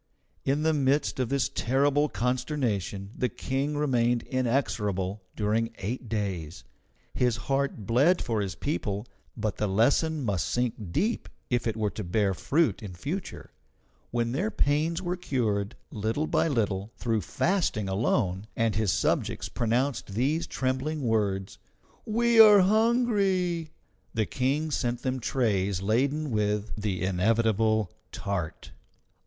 In the midst of this terrible consternation the King remained inexorable during eight days. His heart bled for his people, but the lesson must sink deep if it were to bear fruit in future. When their pains were cured, little by little, through fasting alone, and his subjects pronounced these trembling words, "We are hungry!" the King sent them trays laden with the inevitable tart.